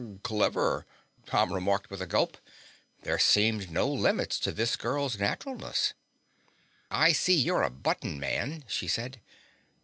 "Clever," Tom remarked with a gulp. There seemed no limits to this girl's naturalness. "I see you're a button man," she said.